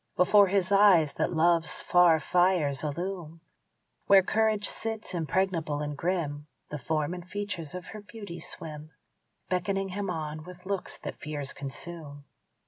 Before his eyes that love's far fires illume Where courage sits, impregnable and grim The form and features of her beauty swim, Beckoning him on with looks that fears consume.